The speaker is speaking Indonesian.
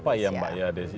apa ya mbak yadesi